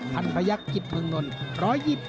พันพยักษิตเมืองนล๑๒๑